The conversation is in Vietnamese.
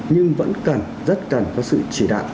nhưng vẫn cần rất cần có sự chỉ đạn